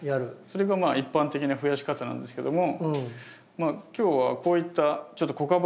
それが一般的なふやし方なんですけどもまあ今日はこういったちょっと子株の出にくい種類。